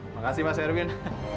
makasih mas erwin